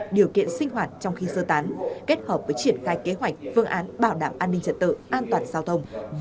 điều kiện sinh hoạt trong khi sơ tán kết hợp với triển khai kế hoạch phương án bảo đảm an ninh trật tự an toàn giao thông